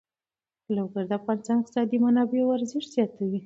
لوگر د افغانستان د اقتصادي منابعو ارزښت زیاتوي.